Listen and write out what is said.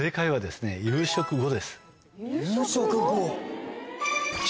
夕食後？